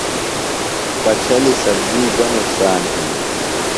پڇھیلیۡ سبزی گہ نقصان ہِنیۡ؟